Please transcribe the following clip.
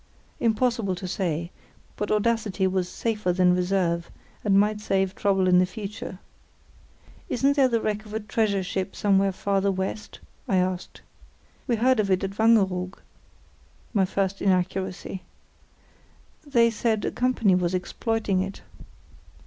Impossible to say; but audacity was safer than reserve, and might save trouble in the future. "Isn't there the wreck of a treasure ship somewhere farther west?" I asked. "We heard of it at Wangeroog" (my first inaccuracy). "They said a company was exploiting it."